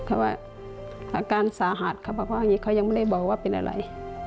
อาการสาหารเขายังไม่ได้บอกเป็นอะไร